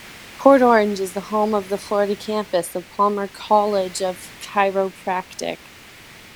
Port Orange is the home of the Florida campus of Palmer College of Chiropractic.